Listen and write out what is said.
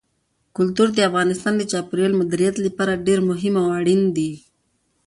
کلتور د افغانستان د چاپیریال د مدیریت لپاره ډېر مهم او اړین دي.